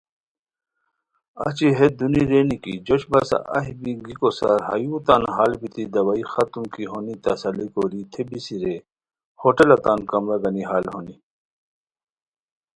اچی ہیت دونی رینی کی جوش بسہ ایہہ بی گیکو سار ہایوتان حال بیتی دوائی ختم کی ہونی تسلی کوری تھے بیسی رے، ہوٹلہ تان کمرہ گنی حال ہونی